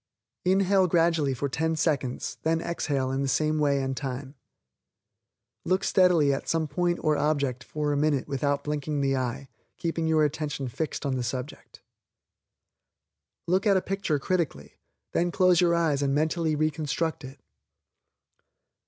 Inhale gradually for ten seconds, then exhale in the same way and time. Look steadily at some point or object for a minute without winking the eye, keeping your attention fixed on the object. Look at a picture critically, then close your eyes and mentally reconstruct it.